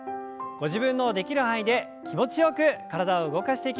ご自分のできる範囲で気持ちよく体を動かしていきましょう。